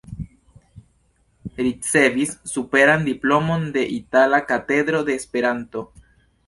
Ricevis superan diplomon de Itala Katedro de Esperanto.